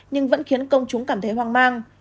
nhưng vẫn khiến công chúng cảm thấy hoang mang